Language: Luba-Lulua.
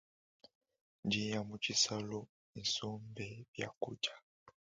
Ndinya mu tshisalu isumbe biakudia.